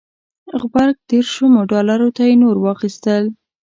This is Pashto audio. غبرګ دېرشمو ډالرو ته یې نور واخیستل.